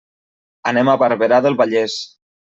Anem a Barberà del Vallès.